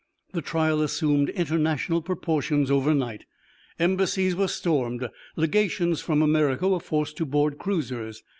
The trial assumed international proportions overnight. Embassies were stormed; legations from America were forced to board cruisers.